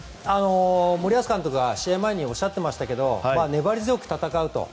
森保監督が試合前におっしゃっていましたけど粘り強く戦うと。